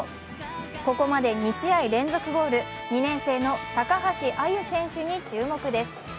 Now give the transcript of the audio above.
ここまで２試合連続ゴール、２年生の高橋亜優選手に注目です。